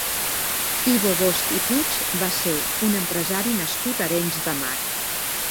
Ivo Bosch i Puig va ser un empresari nascut a Arenys de Mar.